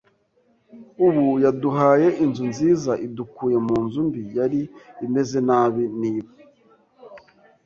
ubu yaduhaye inzu nziza idukuye mu nzu mbi yari imeze nabi niba